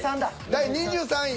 第２３位。